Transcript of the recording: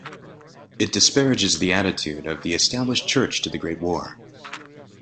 It disparages the attitude of the established church to the Great War.